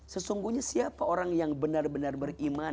sesungguhnya siapa orang yang benar benar beriman